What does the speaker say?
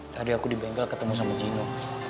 tadi aku di bengkel ketemu sama cino